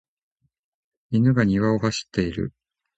犬が庭を走っている。